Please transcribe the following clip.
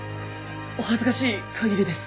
お恥ずかしい限りです。